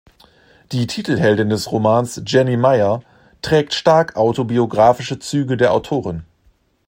Die Titelheldin des Romans, Jenny Meier, trägt stark autobiographische Züge der Autorin.